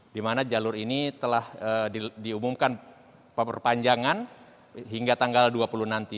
di mana jalur ini telah diumumkan peperpanjangan hingga tanggal dua puluh nanti